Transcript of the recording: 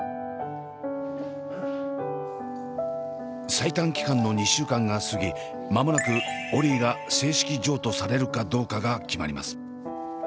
最短期間の２週間が過ぎ間もなくオリィが正式譲渡されるかどうかが決まります。